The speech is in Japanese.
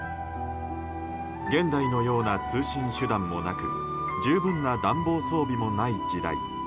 現代のような通信手段もなく十分な暖房装備もない時代。